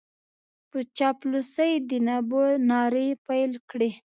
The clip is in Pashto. په چاپلوسۍ د نبوغ نارې پېل کړې.